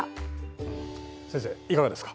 先生いかがですか？